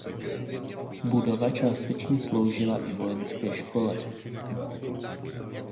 Budova částečně sloužila i vojenské škole.